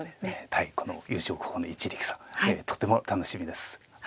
対この優勝候補の一力さんとても楽しみです。